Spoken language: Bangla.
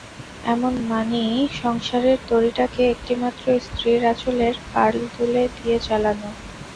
এমন মানী সংসারের তরীটাকে একটিমাত্র স্ত্রীর আঁচলের পাল তুলে দিয়ে চালানো!